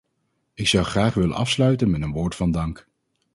Ik zou graag willen afsluiten met een woord van dank.